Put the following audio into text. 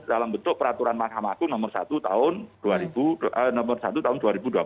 dalam bentuk peraturan mahkamah agung nomor satu tahun dua ribu dua puluh